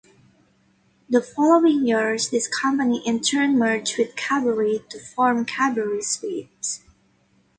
The following year this company in turn merged with Cadbury to form Cadbury Schweppes.